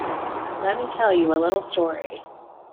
Let me tell you a little story.